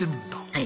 はい。